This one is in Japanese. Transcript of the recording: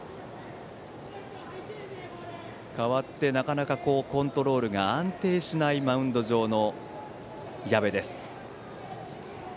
代わって、なかなかコントロールが安定しないマウンド上の矢部です。